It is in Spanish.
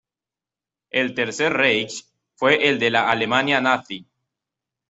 El Tercer Reich fue el de la Alemania nazi.